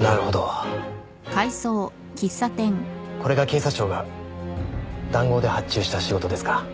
なるほどこれが警察庁が談合で発注した仕事ですか？